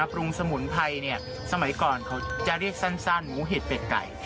ปรุงสมุนไพรสมัยก่อนเขาจะเรียกสั้นหมูเห็ดเป็ดไก่